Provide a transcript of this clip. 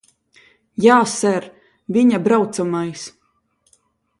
Jā, ser. Viņa braucamais.